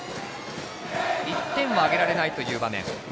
１点はあげられないという場面。